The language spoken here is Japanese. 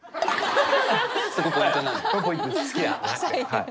はい。